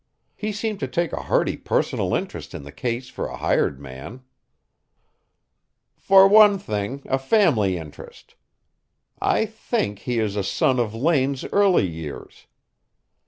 "He seemed to take a hearty personal interest in the case for a hired man." "For one thing, a family interest. I think he is a son of Lane's early years.